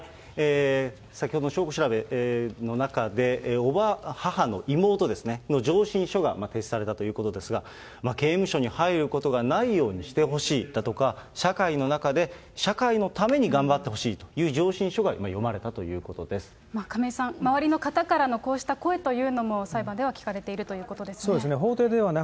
先ほどの証拠調べの中で、叔母、母の妹ですね、の上申書が提出されたということなんですけれども、刑務所に入ることがないようにしてほしいだとか、社会の中で社会のために頑張ってほしいという上申書が読まれたと亀井さん、周りの方からのこうした声というのも裁判では聞かれているということですね。